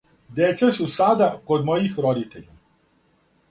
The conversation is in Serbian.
Деца су сада код мојих родитеља.